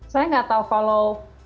saya gak tahu kalau